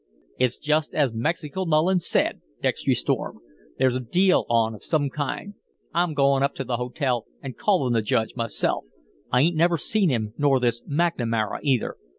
"It's just as Mexico Mullins said," Dextry stormed; "there's a deal on of some kind. I'm goin' up to the hotel an' call on the Judge myself. I 'ain't never seen him nor this McNamara, either.